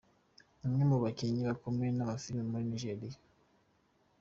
Ni umwe mu bakinnyi bakomeye b’amafilime muri Nigeriya.